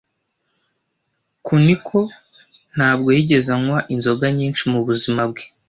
Kuniko ntabwo yigeze anywa inzoga nyinshi mubuzima bwe.